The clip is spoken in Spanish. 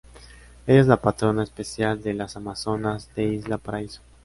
Ella es la patrona especial de las Amazonas de Isla Paraíso.